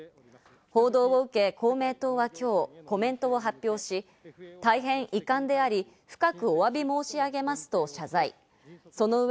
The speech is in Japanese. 報道を受け、公明党は今日コメントを発表し、大変遺憾であり深くお詫びを申し上げますと謝罪しました。